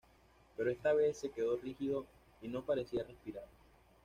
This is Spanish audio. Pero esta vez se quedó rígido y no parecía respirar.